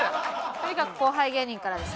とにかく後輩芸人からです。